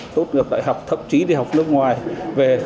tốt được đại học thậm chí đi học nước ngoài về